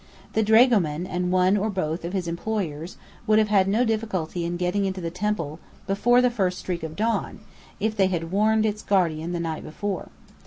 The dragoman and one or both of his employers would have had no difficulty in getting into the temple before the first streak of dawn, if they had warned its guardian the night before.